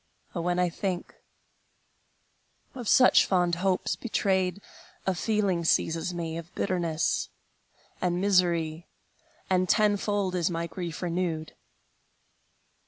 Oh, when I think of such fond hopes betrayed, A feeling seizes me Of bitterness and misery, And tenfold is my grief renewed!